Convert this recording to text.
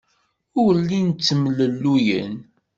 Ur llin ttemlelluyen.